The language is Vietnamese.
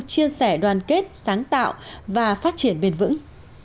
chia sẻ đoàn kết sáng tạo và phát triển bền vững